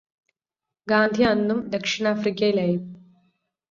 ഗാന്ധി അന്നും ദക്ഷിണാഫ്രിക്കയിലായിരുന്നു.